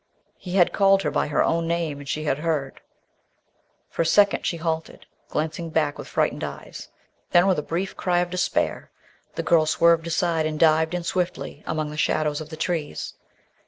HE had called her by her own name and she had heard. For a second she halted, glancing back with frightened eyes. Then, with a brief cry of despair, the girl swerved aside and dived in swiftly among the shadows of the trees.